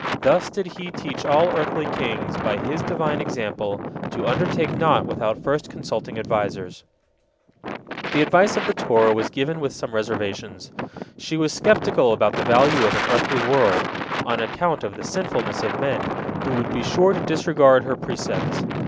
Thus did He teach all earthly kings, by His Divine example, to undertake naught without first consulting advisers. The advice of the Torah was given with some reservations. She was skeptical about the value of an earthly world, on account of the sinfulness of men, who would be sure to disregard her precepts.